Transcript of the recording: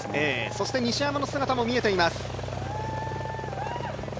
そして西山の姿も見えています。